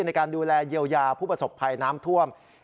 ในการดูแลเยียวยาผู้ประสบภัยน้ำท่วม